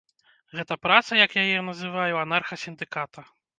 Гэта праца, як я яе называю, анарха-сіндыката.